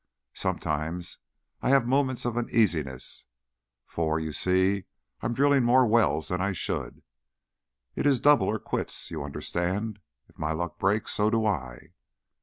Sometimes I have moments of uneasiness, for, you see, I'm drilling more wells than I should. It is double or quits, you understand? If my luck breaks, so do I."